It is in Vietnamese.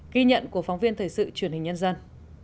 ghi nhận của phóng viên thời sự truyền hình nhân dân